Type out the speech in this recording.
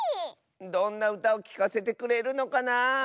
どんなうたをきかせてくれるのかなあ。